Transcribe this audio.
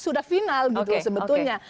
sudah final gitu sebetulnya